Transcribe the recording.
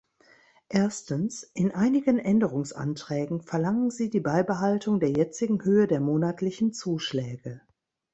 Erstens: In einigen Änderungsanträgen verlangen Sie die Beibehaltung der jetzigen Höhe der monatlichen Zuschläge.